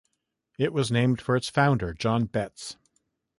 It was named for its founder, John Betts.